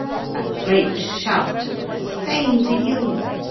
A great shout of "The same to you!"